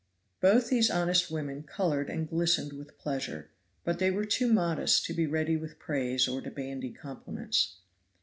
Both these honest women colored and glistened with pleasure, but they were too modest to be ready with praise or to bandy compliments.